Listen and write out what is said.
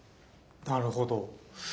なるほど。